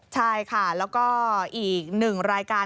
ใช่ค่ะแล้วก็อีก๑รายการ